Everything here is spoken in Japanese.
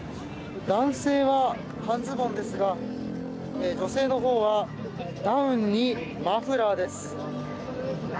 男性は半ズボンですが女性のほうはダウンにマフラーです。